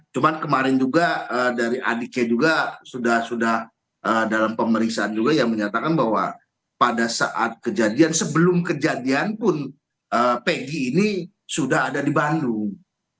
cuma kemarin juga dari adiknya juga sudah dalam pemeriksaan juga yang menyatakan bahwa pada saat kejadian sebelum kejadian pun peggy ini sudah ada di bandung